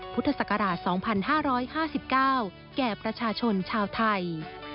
พุทธศักราช๒๕๕๙แก่ประชาชนชาวไทย